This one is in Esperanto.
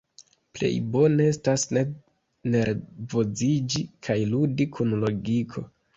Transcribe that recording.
Plej bone estas ne nervoziĝi kaj ludi kun logiko.